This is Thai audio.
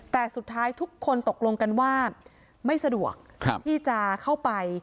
แต่สุดท้ายทุกคนตกลงกันว่าไม่สะดวกที่จะเข้าไป